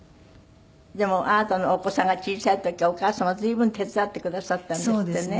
でもあなたのお子さんが小さい時はお母様随分手伝ってくださったんですってね。